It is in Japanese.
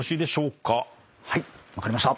はい分かりました。